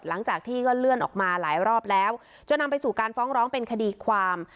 หลังจากที่ก็เลื่อนออกมาหลายรอบแล้วจนนำไปสู่การฟ้องร้องเป็นคดีความ